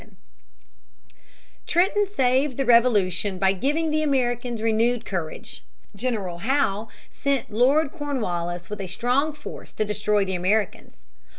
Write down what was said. Princeton, January, 1777. Trenton saved the Revolution by giving the Americans renewed courage. General Howe sent Lord Cornwallis with a strong force to destroy the Americans.